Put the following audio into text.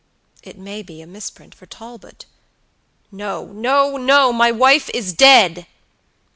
"It may be a misprint for Talbot." "No, no, no; my wife is dead!"